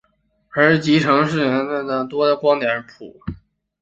而集成视场摄谱仪可以实现在二维焦面任意位置同时观测多点的光谱。